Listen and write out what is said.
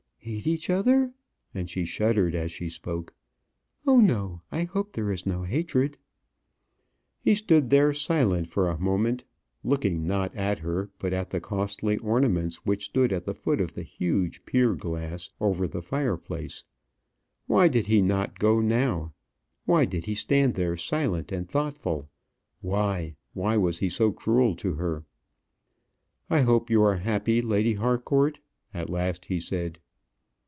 "Hate each other!" and she shuddered as she spoke; "oh, no, I hope there is no hatred!" He stood there silent for a moment, looking, not at her, but at the costly ornaments which stood at the foot of the huge pier glass over the fireplace. Why did he not go now? why did he stand there silent and thoughtful? why why was he so cruel to her? "I hope you are happy, Lady Harcourt," at last he said.